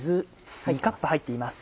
２カップ入っています。